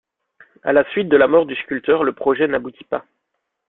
À la suite de la mort du sculpteur, le projet n'aboutit pas.